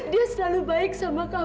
dia selalu baik sama kau